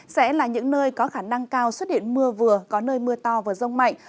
sẽ là những nơi có khả năng cao xuất hiện mưa vừa có nơi mưa to và rông mạnh